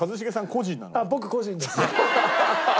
あっ僕個人です。